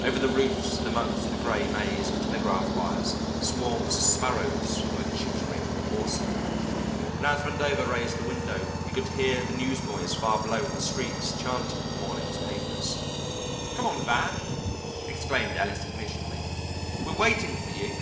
Over the roofs and amongst the gray maze of telegraph wires swarms of sparrows were chittering hoarsely, and as Vandover raised the window he could hear the newsboys far below in the streets chanting the morning's papers. "Come on, Van!" exclaimed Ellis impatiently; "we're waiting for you."